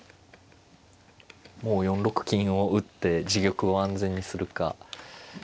もう４六金を打って自玉を安全にするか。